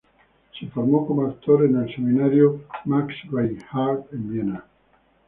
Se formó como actor en el Seminario Max Reinhardt, en Viena.